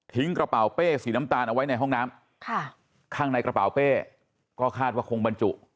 กระเป๋าเป้สีน้ำตาลเอาไว้ในห้องน้ำข้างในกระเป๋าเป้ก็คาดว่าคงบรรจุ